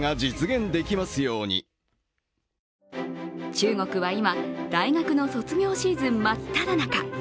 中国は今、大学の卒業シーズン真っただ中。